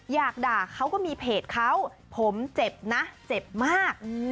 อยากด่าเขาก็มีเพจเขาผมเจ็บนะเจ็บมาก